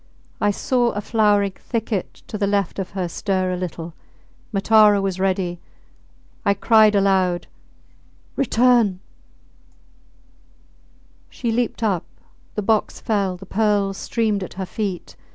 I saw a flowering thicket to the left of her stir a little ... Matara was ready ... I cried aloud Return! She leaped up; the box fell; the pearls streamed at her feet.